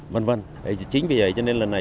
v v chính vì vậy cho nên lần này